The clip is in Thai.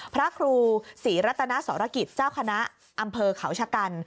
พระครูศรีรัตนสรกิจเจ้าคณะอำเภอเขาชะกัน